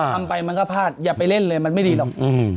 ทำไปมันก็พลาดอย่าไปเล่นเลยมันไม่ดีหรอก